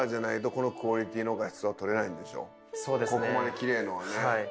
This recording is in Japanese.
ここまできれいのはね。